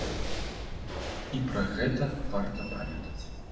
І пра гэта варта памятаць.